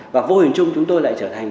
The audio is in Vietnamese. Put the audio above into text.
và vô hình chung chúng tôi lại trở thành